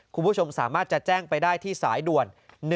คุณผู้ชมสามารถจะแจ้งไปได้ที่สายด่วน๑๙